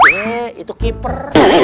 nih itu keeper